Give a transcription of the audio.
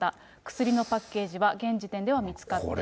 薬のパッケージは現時点では見つかっていないと。